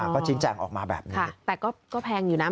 ก็ชี้แจงออกมาแบบนี้แต่ก็แพงอยู่นะ